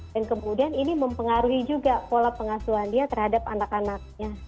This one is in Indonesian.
dan kemudian ini mempengaruhi juga pola pengasuhan dia terhadap anak anaknya